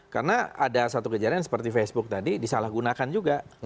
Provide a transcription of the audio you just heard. karena ada satu kejadian seperti facebook tadi disalahgunakan juga